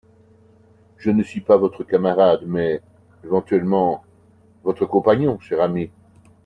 Je ne suis pas votre camarade mais, éventuellement, votre compagnon, cher ami.